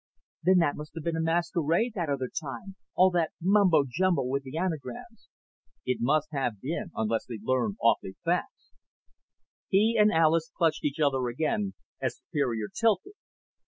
"Then that must have been a masquerade, that other time all that mumbo jumbo with the Anagrams." "It must have been, unless they learn awfully fast." He and Alis clutched each other again as Superior tilted.